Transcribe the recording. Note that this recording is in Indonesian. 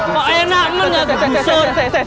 kok enak men gak gusur